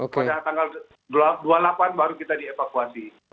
pada tanggal dua puluh delapan baru kita dievakuasi